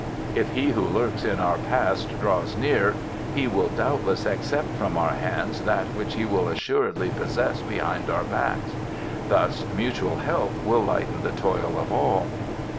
If he who lurks in our past draws near he will doubtless accept from our hands that which he will assuredly possess behind our backs. Thus mutual help will lighten the toil of all."